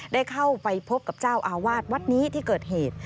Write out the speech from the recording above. ได้เข้าไปพบกับเจ้าอาวาสวัดนี้ที่เกิดเหตุ